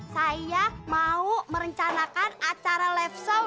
saya mau merencanakan acara live show